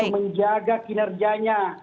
untuk menjaga kinerjanya